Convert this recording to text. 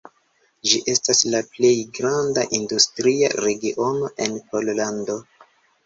Ĝi estas la plej granda industria regiono en Pollando.